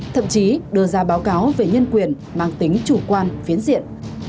thậm chí đưa ra báo cáo về nhân quyền mang tính chủ quan phiến diện